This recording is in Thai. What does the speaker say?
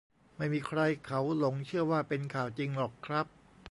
ไม่มีใครเขาหลงเชื่อว่า เป็นข่าวจริงหรอกครับ